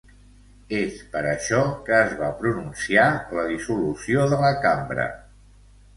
És per això que es va pronunciar la dissolució de la Cambra.